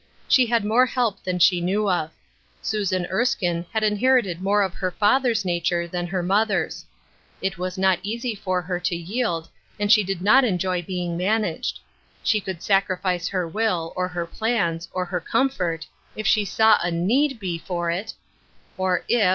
She had more help than she knew of. Susan Erskine had inherited more of her father's nature than her mother's. It was no^. easy for her One Drop of Oil 109 to yield, and she did not enjoy being managed. She could sacrifice her will, or her plans, or her comfort, if she saw a need he for it, or if.